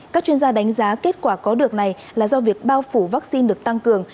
các chuyên gia đánh giá kết quả có được này là do việc bao phủ vaccine được tăng cường